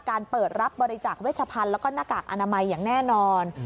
เปิดรับบริจาคเวชพันธุ์แล้วก็หน้ากากอนามัยอย่างแน่นอน